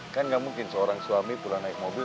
kan nggak mungkin seorang suami pulang naik mobil